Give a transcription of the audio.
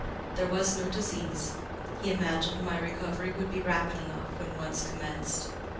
There was no disease. He imagined my recovery would be rapid enough when once commenced.